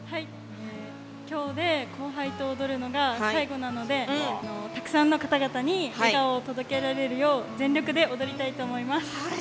今日で後輩と踊るのが最後なのでたくさんの方々に笑顔を届けられるよう全力で踊りたいと思います。